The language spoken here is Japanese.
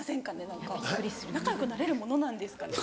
何か仲よくなれるものなんですかね？